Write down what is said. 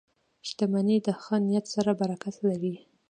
• شتمني د ښه نیت سره برکت لري.